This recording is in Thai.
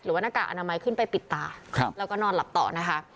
หน้ากากอนามัยขึ้นไปปิดตาแล้วก็นอนหลับต่อนะคะ